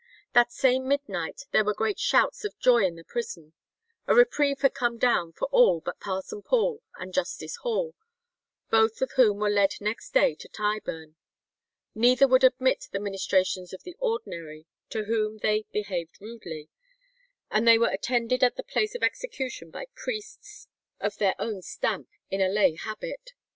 That same midnight there were great shouts of joy in the prison: a reprieve had come down for all but Parson Paul and Justice Hall,[144:2] both of whom were led next day to Tyburn. Neither would admit the ministrations of the ordinary, to whom they "behaved rudely," and they were attended at the place of execution by priests of their own stamp in a lay habit.